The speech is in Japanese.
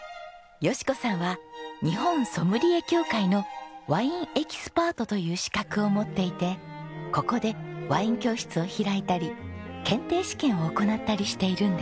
淑子さんは日本ソムリエ協会のワインエキスパートという資格を持っていてここでワイン教室を開いたり検定試験を行ったりしているんです。